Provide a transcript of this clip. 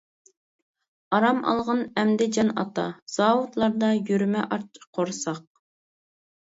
ئارام ئالغىن ئەمدى جان ئاتا، زاۋۇتلاردا يۈرمە ئاچ قورساق.